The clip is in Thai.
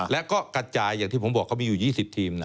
และก็กระจายอย่างที่ผมบอกเขามีอยู่๒๐ทีมนะ